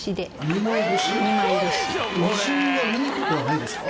二重で見にくくはないですか？